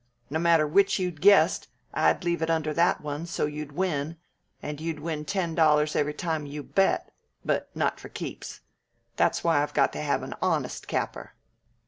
No matter which you guessed, I'd leave it under that one, so'd you'd win, and you'd win ten dollars every time you bet but not for keeps. That's why I've got to have an honest capper."